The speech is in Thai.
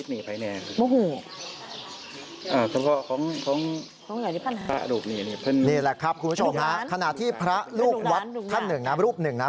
นี่แหละครับคุณผู้ชมฮะขณะที่พระลูกวัดท่านหนึ่งนะรูปหนึ่งนะ